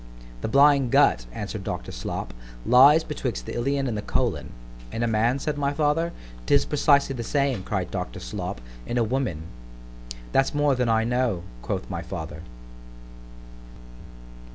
The blind gut, answered doctor Slop, lies betwixt the Ilion and Colon—— In a man? said my father. ——'Tis precisely the same, cried doctor Slop, in a woman.—— That's more than I know; quoth my father.